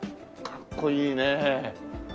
かっこいいね。